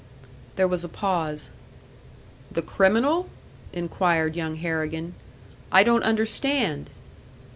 There was a pause. "The criminal?" inquired young Harrigan. "I don't understand!"